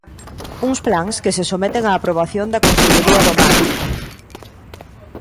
Uns plans que se someten á aprobación da Consellería do Mar.